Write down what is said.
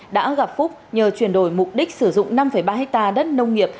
đã gặp phúc nhờ chuyển đổi mục đích sử dụng năm ba hectare đất nông nghiệp